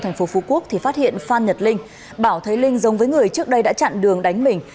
thành phố phú quốc thì phát hiện phan nhật linh bảo thấy linh giống với người trước đây đã chặn đường đánh mình